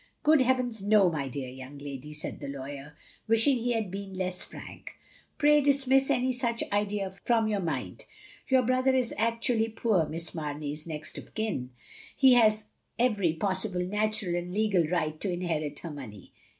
Good heavens, no, my dear young lady, " said the lawyer, wishing he had been less frank. "Pray dismiss any such idea from your mind. Your brother is actually poor Miss Mamey's next of kin : he has every possible natural and legal right to inherit her money.